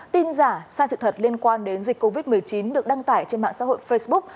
tin giả sai sự thật liên quan đến dịch covid một mươi chín được đăng tải trên mạng xã hội facebook